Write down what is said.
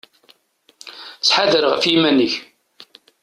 Ttḥadar ɣef yiman-ik.